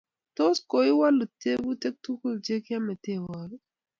Tos kaowalu tyeputik tukul che kiametowok ii?